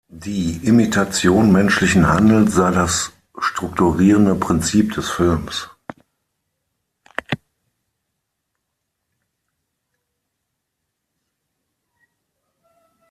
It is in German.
Die Imitation menschlichen Handelns sei das strukturierende Prinzip des Films.